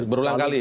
berulang kali ya